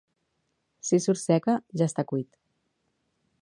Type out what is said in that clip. Si surt seca, ja està cuit.